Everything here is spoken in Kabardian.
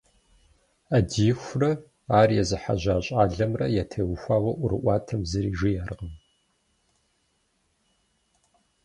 Ӏэдиихурэ ар езыхьэжьа щӏалэмрэ ятеухуауэ ӏуэрыӏуатэм зыри жиӏэркъым.